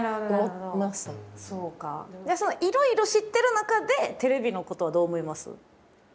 そのいろいろ知ってる中でテレビのことはどう思います？